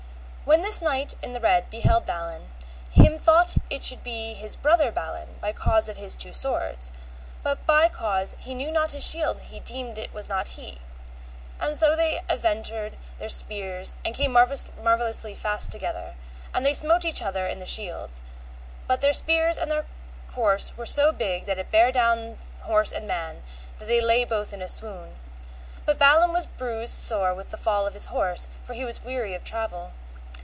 When this knight in the red beheld Balin, him thought it should be his brother Balin by cause of his two swords, but by cause he knew not his shield he deemed it was not he. And so they aventryd their spears and came marvellously fast together, and they smote each other in the shields, but their spears and their course were so big that it bare down horse and man, that they lay both in a swoon. But Balin was bruised sore with the fall of his horse, for he was weary of travel.